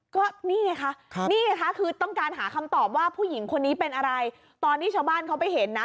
ก็นี่ไงคะนี่ไงคะคือต้องการหาคำตอบว่าผู้หญิงคนนี้เป็นอะไรตอนที่ชาวบ้านเขาไปเห็นนะ